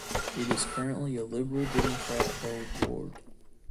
It is currently a Liberal Democrat held ward.